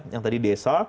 yang tadi desa